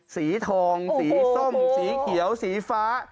สีทองสีส้มสีเขียวสีฟ้า